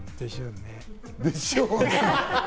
でしょうね。